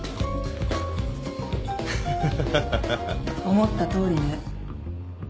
思ったとおりね。